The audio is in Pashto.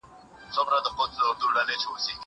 زه له سهاره د کتابتوننۍ سره خبري کوم!؟